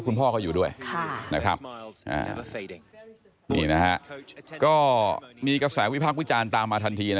นี่คลิปนี้ค่ะคือน้องไตตัน